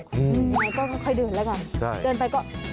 อย่างนี้ก็ค่อยเดินแล้วก่อนเดินไปก็